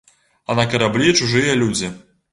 А на караблі чужыя людзі.